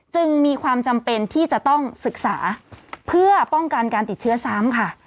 จึงมีความจำเป็นที่จะต้องศึกษาเพื่อป้องกันการติดเชื้อซ้ำค่ะ